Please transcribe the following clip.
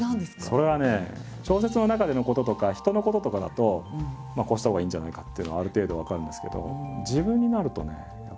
それはね小説の中でのこととか人のこととかだとこうしたほうがいいんじゃないかというのはある程度分かるんですけど。